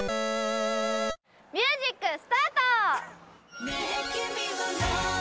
ミュージックスタート！